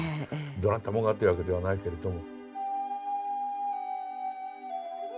どなたもがってわけではないけれども。